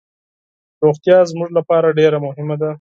روغتیا زموږ لپاره ډیر مهمه ده.